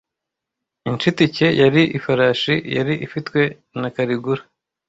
Incitike yari ifarashi yari ifitwe na Caligula